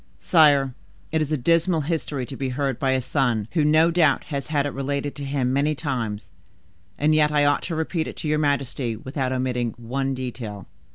"Sire, it is a dismal history to be heard by a son who no doubt has had it related to him many times; and yet I ought to repeat it to your majesty without omitting one detail."